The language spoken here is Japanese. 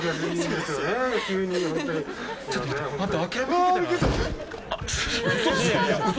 ちょっと待って。